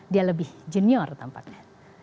dia lebih junior tampaknya